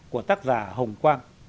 của tác giả hồng quang